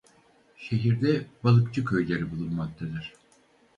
Şehirde balıkçı köyleri bulunmaktadır.